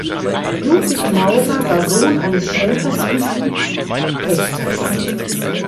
Ludwig Maurer war Sohn eines Schäfers und Gutspächters.